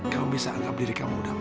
kamu bisa anggap diri kamu udah muda